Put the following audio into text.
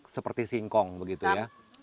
seperti singkong begitu ya